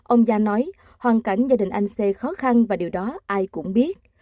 ông gia nói hoàn cảnh gia đình anh sê khó khăn và điều đó ai cũng biết